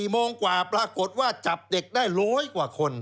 โมงกว่าปรากฏว่าจับเด็กได้๑๐๐กว่าคน